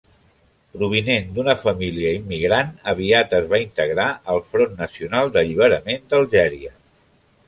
Provinent d'una família immigrant, aviat es va integrar al Front Nacional d'Alliberament d'Algèria.